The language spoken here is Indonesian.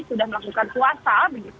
sudah melakukan puasa